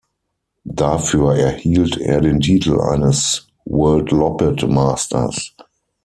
Dafür erhält er den Titel eines "Worldloppet-Masters".